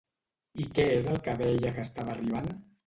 I què és el que veia que estava arribant?